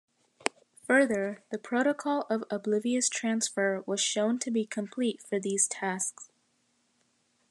Further, the protocol of Oblivious transfer was shown to be complete for these tasks.